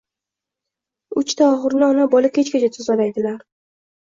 Uchta oxurni ona-bola kechgacha tozalaydilar